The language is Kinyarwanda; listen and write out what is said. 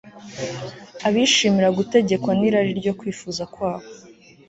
abishimira gutegekwa n'irari ryo kwifuza kwabo